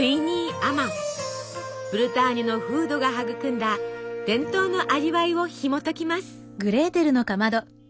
ブルターニュの風土が育んだ伝統の味わいをひもときます。